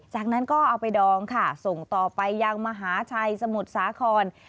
จากนั้นก็เอาไปดองค่ะส่งต่อไปยังมหาชัยสมุทรสาคร